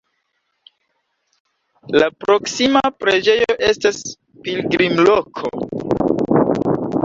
La proksima preĝejo estas pilgrimloko.